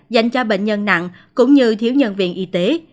dành cho bệnh nhân nặng cũng như thiếu nhân viên y tế